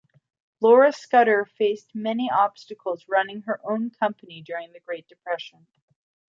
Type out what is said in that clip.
Laura Scudder faced many obstacles running her own company during the Great Depression.